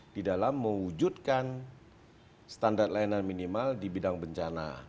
di dalam mewujudkan standar layanan minimal di bidang bencana